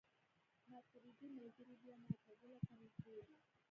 ماتریدي ملګري بیا معتزله ته نژدې وو.